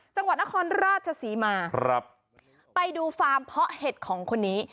จังหวัดนครราชศรีมาครับไปดูฟาร์มเพาะเห็ดของคนนี้